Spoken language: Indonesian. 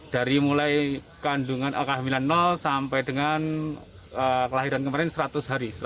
dari mulai kehamilan sampai dengan kelahiran kemarin seratus hari